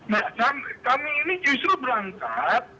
nah kami ini justru berangkat